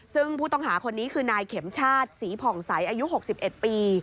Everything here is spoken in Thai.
ซึ่งผู้ต้องหาคนนี้คือนายเข็มชาติศรีผ่องใสอายุ๖๑ปี